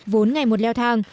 vốn ngày một leo thang